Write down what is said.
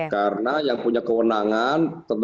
karena yang punya kewenangan